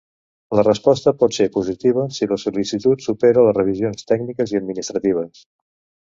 La resposta pot ser positiva si la sol·licitud supera les revisions tècniques i administratives.